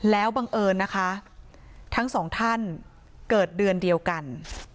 แล้วบังเอิญนะคะทั้งสองท่านเกิดเดือนเดียวกัน